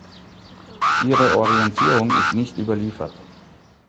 Ihre Orientierung ist nicht überliefert.